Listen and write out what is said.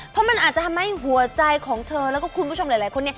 เพราะมันอาจจะทำให้หัวใจของเธอแล้วก็คุณผู้ชมหลายคน